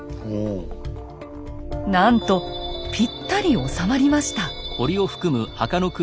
なんとぴったり収まりました。